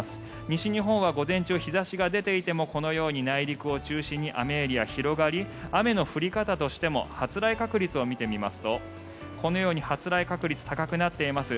西日本は午前中日差しが出ていてもこのように内陸を中心に雨エリアが広がり雨の降り方としても発雷確率を見てみますとこのように発雷確率が高くなっています。